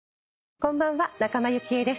こんばんは仲間由紀恵です。